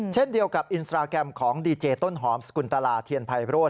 เช่นเดียวกับอินสตราแกรมของดีเจต้นหอมสกุลตลาเทียนภัยโรธ